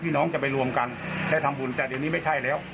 น้องจะไปรวมกันได้ทำบุญแต่เดี๋ยวนี้ไม่ใช่แล้ว